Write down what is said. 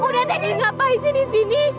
udah teh dewi ngapa isi di sini